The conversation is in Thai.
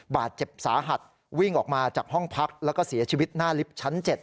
บาดเจ็บสาหัสวิ่งออกมาจากห้องพักแล้วก็เสียชีวิตหน้าลิฟท์ชั้น๗